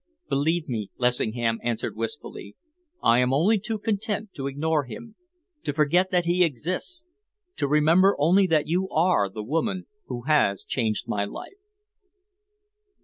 "Believe me," Lessingham answered wistfully, "I am only too content to ignore him, to forget that he exists, to remember only that you are the woman who has changed my life."